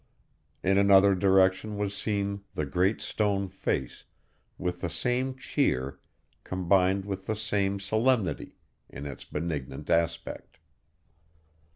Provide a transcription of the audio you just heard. In another direction was seen the Great Stone Face, with the same cheer, combined with the same solemnity, in its benignant aspect.